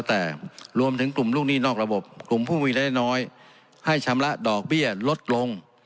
แต่รวมถึงกลุ่มลูกหนี้นอกระบบกลุ่มผู้มีรายได้น้อยให้ชำระดอกเบี้ยลดลง